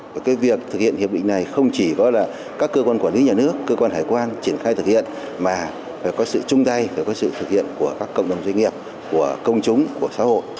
và cái việc thực hiện hiệp định này không chỉ có là các cơ quan quản lý nhà nước cơ quan hải quan triển khai thực hiện mà phải có sự chung tay phải có sự thực hiện của các cộng đồng doanh nghiệp của công chúng của xã hội